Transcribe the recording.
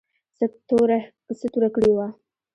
څه توره کړې وه.